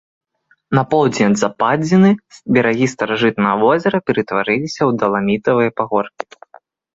На поўдзень ад западзіны берагі старажытнага возера ператварыліся ў даламітавыя пагоркі.